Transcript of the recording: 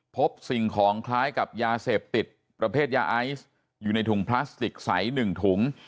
พบสิ่งของคล้ายกับยาเสพติดประเภทยาไอซ์อยู่ในถุงพลาสติกใส๑ถุง